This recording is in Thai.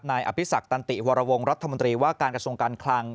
อภิษักตันติวรวงรัฐมนตรีว่าการกระทรวงการคลัง